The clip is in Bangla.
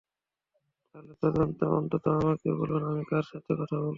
তাহলে অন্তত আমাকে বলুন আমি কার সাথে কথা বলবো?